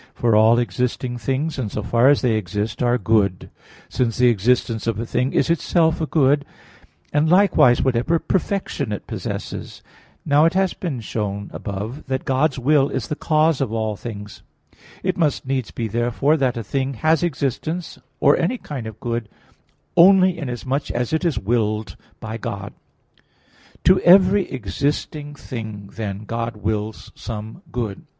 For all existing things, in so far as they exist, are good, since the existence of a thing is itself a good; and likewise, whatever perfection it possesses. Now it has been shown above (Q. 19, A. 4) that God's will is the cause of all things. It must needs be, therefore, that a thing has existence, or any kind of good, only inasmuch as it is willed by God. To every existing thing, then, God wills some good.